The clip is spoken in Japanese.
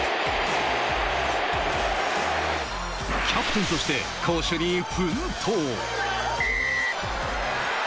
キャプテンとして攻守に奮闘。